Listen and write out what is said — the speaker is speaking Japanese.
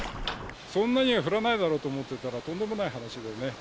そんなには降らないだろうと思ってたら、とんでもない話だよね。